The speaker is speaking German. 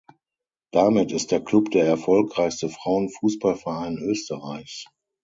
Damit ist der Klub der erfolgreichste Frauenfußballverein Österreichs.